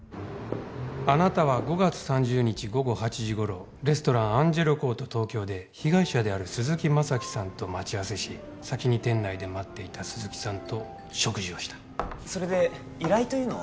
あなたは５月３０日午後８時頃レストラン「アンジェロコート東京」で被害者である鈴木政樹さんと待ち合わせし先に店内で待っていた鈴木さんと食事をしたそれで依頼というのは？